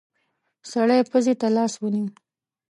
سړی پزې ته لاس ونيو.